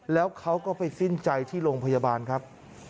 แล้วเขาก็ไปสิ้นใจที่โรงพยาบาลครับ